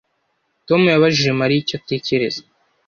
Tom yabajije Mariya icyo atekereza